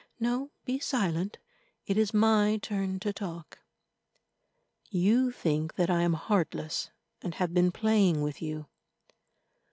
No—be silent; it is my turn to talk. You think that I am heartless, and have been playing with you.